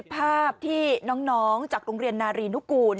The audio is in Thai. ภาพที่น้องจากโรงเรียนนารีนุกูล